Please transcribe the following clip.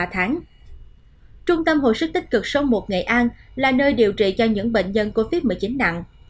trong ba tháng trung tâm hội sức tích cực số một nghệ an là nơi điều trị cho những bệnh nhân covid một mươi chín nặng